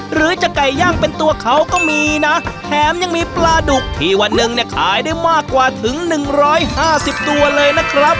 หรือจะไก่ย่างเป็นตัวเขาก็มีนะแถมยังมีปลาดุกที่วันหนึ่งเนี่ยขายได้มากกว่าถึง๑๕๐ตัวเลยนะครับ